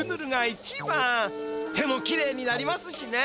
手もきれいになりますしね。